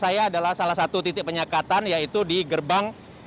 saya adalah salah satu titik penyekatan yaitu di gerbang